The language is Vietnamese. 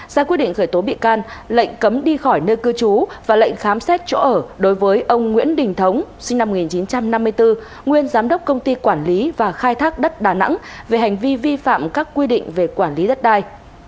ra quyết định khởi tố bị can lệnh cấm đi khỏi nơi cư trú và lệnh khám xét chỗ ở đối với ông nguyễn đình thống sinh năm một nghìn chín trăm năm mươi bốn nguyên giám đốc công ty quản lý và khai thác đất đà nẵng về hành vi vi phạm các quy định về quản lý đất đai